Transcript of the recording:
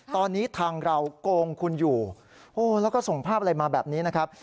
ตอนนี้ทางเราโกงคุณอยู่แล้วก็ส่งภาพอะไรมาแบบนี้นะครับ